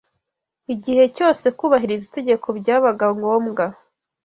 igihe cyose kubahiriza itegeko byabaga ngombwa